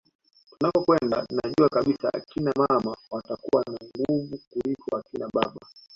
Tunakokwenda najua kabisa akina mama watakuwa na nguvu kuliko akina baba